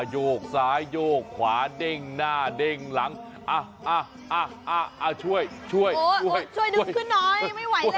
โยกซ้ายโยกขวาเด้งหน้าเด้งหลังช่วยช่วยช่วยด้วยขึ้นน้อยไม่ไหวแล้ว